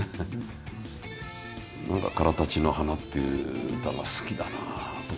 何か「からたちの花」っていう歌が好きだなあとか。